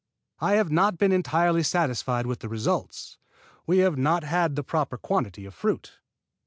I have not been entirely satisfied with the results. We have not had the proper quantity of fruit.